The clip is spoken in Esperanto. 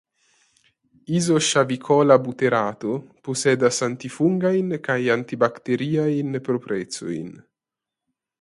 Izoŝavikola buterato posedas antifungajn kaj antibakteriajn proprecojn.